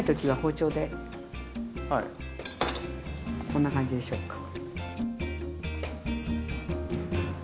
こんな感じでしょうか？